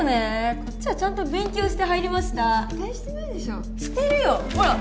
こっちはちゃんと勉強して入りました絶対してないでしょしてるよほら！